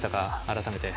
改めて。